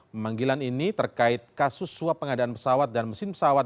pemanggilan ini terkait kasus suap pengadaan pesawat dan mesin pesawat